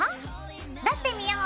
出してみよう。